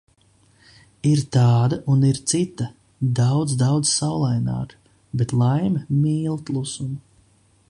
Ir tāda un ir cita – daudz, daudz saulaināka. Bet laime mīl klusumu.